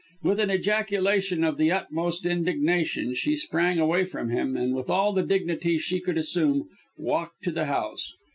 With an ejaculation of the utmost indignation, she sprang away from him, and with all the dignity she could assume, walked to the house.